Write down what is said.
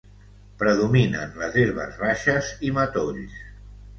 Predominen les herbes baixes i matolls.